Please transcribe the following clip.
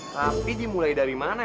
tapi dimulai dari mana